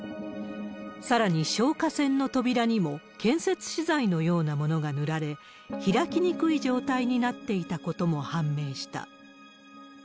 さらに消火栓の扉にも建設資材のようなものが塗られ、開きにくい状態になっていたことも判明した。